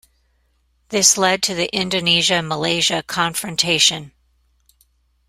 This led to the Indonesia-Malaysia confrontation.